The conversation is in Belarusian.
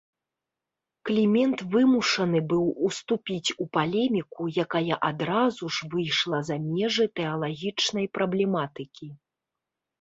Клімент вымушаны быў уступіць у палеміку, якая адразу ж выйшла за межы тэалагічнай праблематыкі.